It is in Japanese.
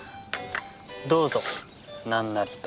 どうぞ何なりと。